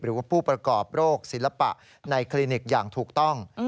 หรือว่าผู้ประกอบโรคศิลปะในคลินิกอย่างถูกต้อง